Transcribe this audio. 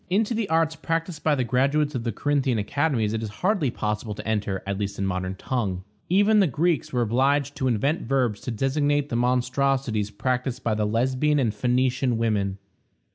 Into the arts practiced by the graduates of the Corinthian academies it is hardly possible to enter, at least in a modern tongue. Even the Greeks were obliged to invent verbs to designate the monstrosities practiced by the Lesbian and Phoenician women.